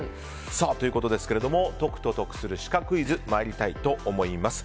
ということですが解くと得するシカクイズ参りたいと思います。